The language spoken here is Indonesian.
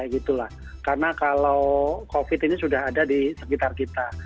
karena kalau covid sembilan belas ini sudah ada di sekitar kita